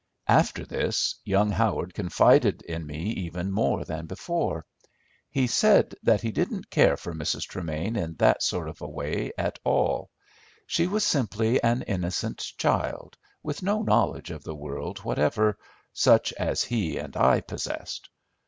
After this young Howard confided in me even more than before. He said that he didn't care for Mrs. Tremain in that sort of way at all. She was simply an innocent child, with no knowledge of the world whatever, such as he and I possessed.